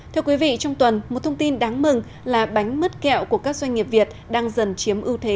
thưa quý vị trong tuần một thông tin đáng mừng là bánh mứt kẹo của các doanh nghiệp việt đang dần chiếm ưu thế